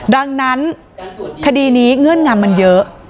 ดังนั้นคดีนี้เงื่อนงำมันเยอะ